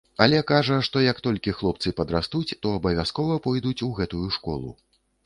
Але кажа, што, як толькі хлопцы падрастуць, то абавязкова пойдуць у гэтую школу.